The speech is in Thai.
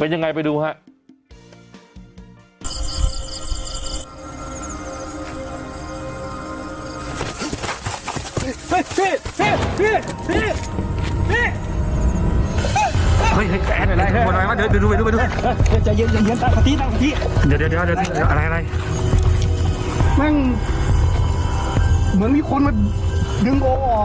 เป็นยังไงไปดูครับ